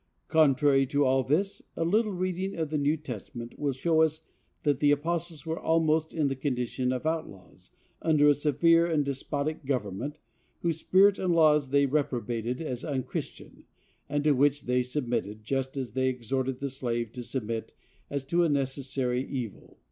Contrary to all this, a little reading of the New Testament will show us that the apostles were almost in the condition of outlaws, under a severe and despotic government, whose spirit and laws they reprobated as unchristian, and to which they submitted, just as they exhorted the slave to submit, as to a necessary evil.